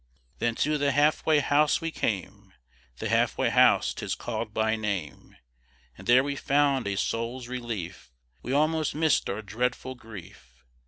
Then to the half way house we came, The "Half way House" 'tis called by name, And there we found a soul's relief; We almost miss'd our dreadful grief.